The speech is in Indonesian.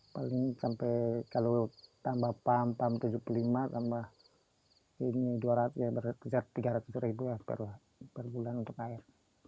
paling sampai kalau tambah pump pump rp tujuh puluh lima tambah tiga ratus per bulan untuk air